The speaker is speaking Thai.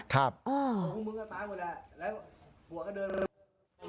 ขอบ